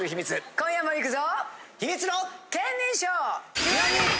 今夜も行くぞ！